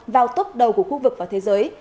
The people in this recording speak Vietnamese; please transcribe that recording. vào tốc đầu của khu vực và thế giới